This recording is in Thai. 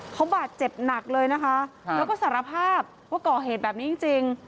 เขาบาดเจ็บหนักเลยนะคะแล้วก็สารภาพว่าก่อเหตุแบบนี้จริง